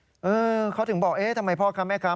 ียนเขาถึงบอกทำไมพ่อครับแม่ครับ